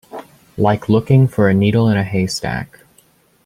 Like looking for a needle in a haystack.